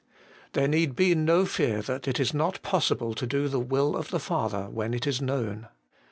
There need be no fear that it is not possible to do the will of the Father when it is known.